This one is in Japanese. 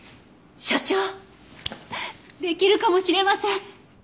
所長できるかもしれません！